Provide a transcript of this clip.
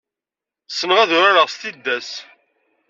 Essn-eɣ ad urar-eɣ s tiddas.